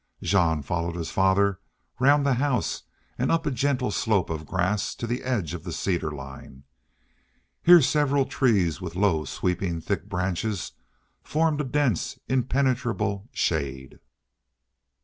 Jean followed his father round the house and up a gentle slope of grass to the edge of the cedar line. Here several trees with low sweeping thick branches formed a dense, impenetrable shade.